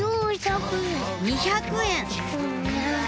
２００円！